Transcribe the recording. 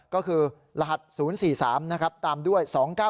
ก็คือรหัส๐๔๓นะครับตามด้วย๒๙๙